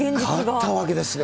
勝ったわけですよ。